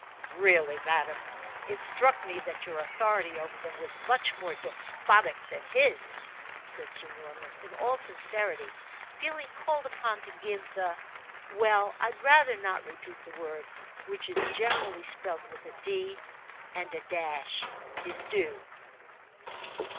"Really, madam, it struck me that your authority over them was much more despotic than his," said Sir Norman, in all sincerity, feeling called upon to give the well, I'd rather not repeat the word, which is generally spelled with a d and a dash his due.